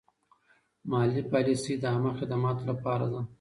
مالي پالیسي د عامه خدماتو لپاره ده.